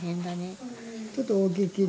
ちょっと大きいけど。